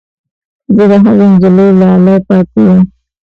زه د هغې نجلۍ لالی پاتې یم